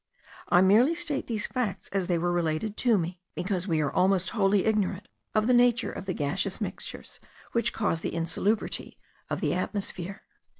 I merely state these facts as they were related to me, because we are almost wholly ignorant of the nature of the gaseous mixtures which cause the insalubrity of the atmosphere.